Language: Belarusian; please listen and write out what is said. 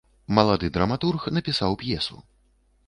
Малады драматург напісаў п'есу.